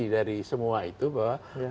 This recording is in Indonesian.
dari semua itu bahwa